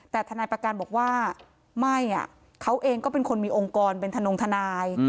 แต่ทนายประกันบอกว่าไม่เขาเองก็เป็นคนมีองค์กรเป็นธนงทนาย